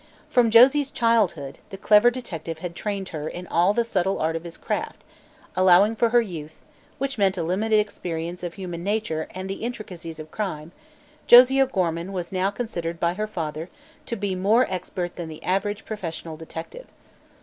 From Josie's childhood, the clever detective had trained her in all the subtle art of his craft, and allowing for her youth, which meant a limited experience of human nature and the intricacies of crime, Josie O'Gorman was now considered by her father to be more expert than the average professional detective.